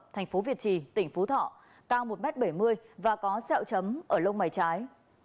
thành phố việt trì tỉnh phú thọ cao một m bảy mươi và có sẹo chấm ở lông mái trái